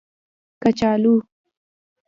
🥔 کچالو